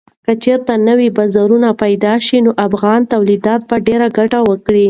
که چېرې نوي بازارونه پېدا شي نو افغان تولیدات به ډېره ګټه وکړي.